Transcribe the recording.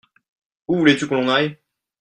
Où voulais-tu que l'on aille ?